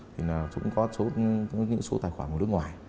thì cũng có những số tài khoản ở nước ngoài